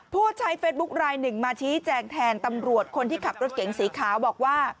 ผู้ใช้เฟซบุ๊คลายหนึ่งมาชี้แจงแทนตำรวจคนที่ขับรถเก๋งสีขาวบอกว่า